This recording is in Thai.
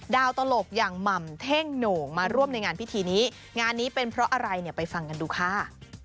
ตลกอย่างหม่ำเท่งโหน่งมาร่วมในงานพิธีนี้งานนี้เป็นเพราะอะไรเนี่ยไปฟังกันดูค่ะ